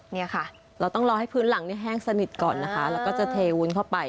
เนี่ยค่ะเราต้องรอให้พื้นหลังเนี่ยแห้งสนิทก่อนนะคะแล้วก็จะเทวุ้นเข้าไป